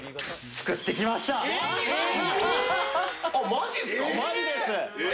マジっすか。